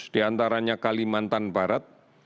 di antaranya kalimantan barat